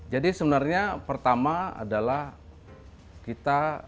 jadi sebenarnya pertama adalah kita